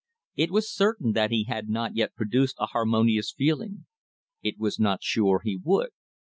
It was certain that he had not yet produced a "harmonious feeling." It was not sure he would.